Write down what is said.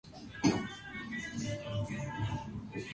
Las crías abandonan el nido a las cuatro o cinco semanas.